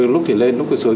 lúc thì lên lúc thì xuống